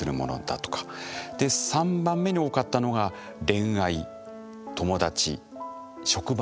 で３番目に多かったのが恋愛・友達・職場。